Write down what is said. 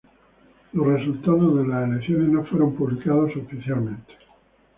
Los resultados de las elecciones no fueron publicados oficialmente.